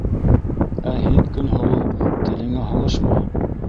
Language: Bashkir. Ә һин, Көнһылыу, телеңә һалышма.